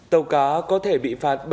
tàu cá có thể bị phạt